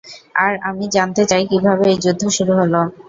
আর আমি জানতে চাই কীভাবে এই যুদ্ধ শুরু হলো।